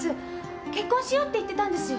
「結婚しよう」って言ってたんですよ。